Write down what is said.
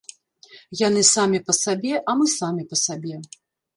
Яны самі па сабе, а мы самі па сабе.